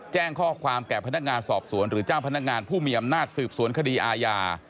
แจ้งข้อความแก่พนักงานสอบสวนหรือเจ้าพนักงานผู้มีอำนาจสืบสวนคดีอาญา